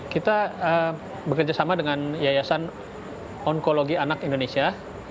kita bekerjasama dengan yayasan onkologi anak indonesia